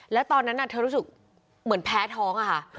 แล้วตอนนั้นเธอรู้สึกเหมือนแพ้ท้องอะค่ะ